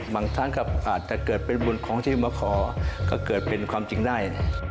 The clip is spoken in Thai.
บางครั้งก็อาจจะเกิดเป็นบุญของที่มาขอก็เกิดเป็นความจริงได้